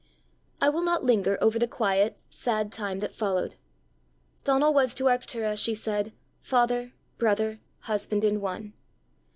I will not linger over the quiet, sad time that followed. Donal was to Arctura, she said, father, brother, husband, in one.